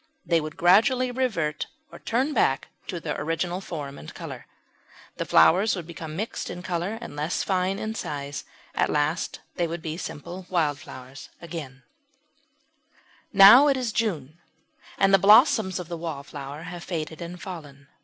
They would gradually revert or turn back to their original form and colour. The flowers would become mixed in colour and less fine in size; at last they would be simple wild flowers again. [Illustration: PANSY.] Now it is June, and the blossoms of the Wallflower have faded and fallen.